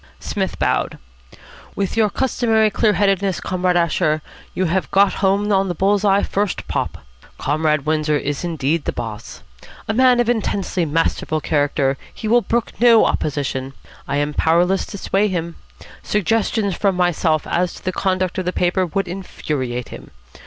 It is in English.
Psmith bowed. "With your customary clear headedness, Comrade Asher, you have got home on the bull's eye first pop. Comrade Windsor is indeed the boss. A man of intensely masterful character, he will brook no opposition. I am powerless to sway him. Suggestions from myself as to the conduct of the paper would infuriate him.